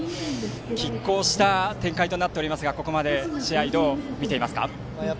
きっ抗した展開となっておりますがここまでの試合どう見ていますか？